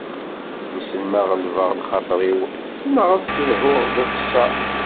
Wissen ma ɣelbeɣ lxaṭer-iw neɣ d asedhu d uqesser.